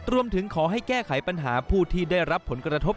รวมถึงขอให้แก้ไขปัญหาผู้ที่ได้รับผลกระทบ